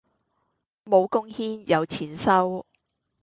無貢獻有錢收